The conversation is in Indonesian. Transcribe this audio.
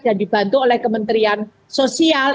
dan dibantu oleh kementerian sosial